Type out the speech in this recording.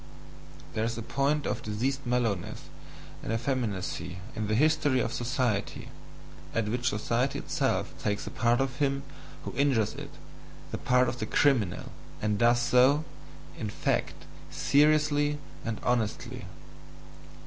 There is a point of diseased mellowness and effeminacy in the history of society, at which society itself takes the part of him who injures it, the part of the CRIMINAL, and does so, in fact, seriously and honestly.